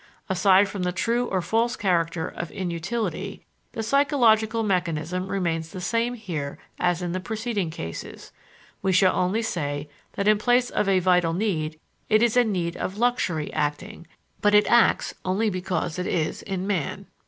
Aside from the true or false character of inutility, the psychological mechanism remains the same here as in the preceding cases; we shall only say that in place of a vital need it is a need of luxury acting, but it acts only because it is in man.